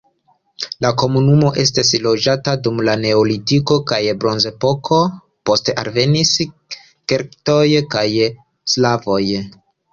La komunumo estis loĝata dum la neolitiko kaj bronzepoko, poste alvenis keltoj kaj slavoj.